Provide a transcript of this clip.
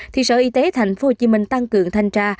thì sở y tế tp hcm tăng cường thanh tra